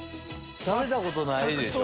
食べたことないでしょ。